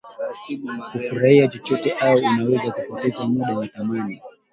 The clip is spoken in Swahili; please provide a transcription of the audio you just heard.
kufurahia chochote Au unaweza kupoteza muda wa thamani